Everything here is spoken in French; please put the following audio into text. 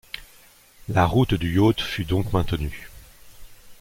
La route du yacht fut donc maintenue.